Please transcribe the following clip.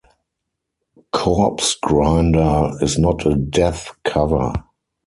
"Corpsegrinder" is not a Death cover.